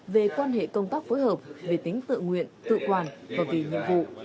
về quan hệ công tác phối hợp về tính tự nguyện tự quản và vì nhiệm vụ